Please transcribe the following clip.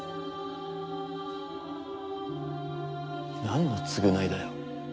何の償いだよ。